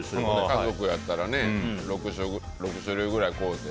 家族やったら６種類くらい買うて。